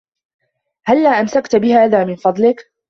هلا أمسكت بهذا من فضلك؟